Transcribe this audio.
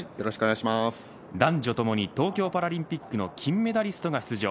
男女ともに東京パラリンピックの金メダリストが出場。